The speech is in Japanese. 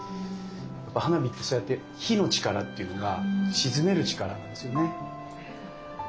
やっぱ花火ってそうやって火の力っていうのが鎮める力なんですよね。